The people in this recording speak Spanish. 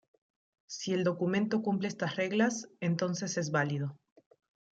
Si el documento cumple estas reglas, entonces es válido.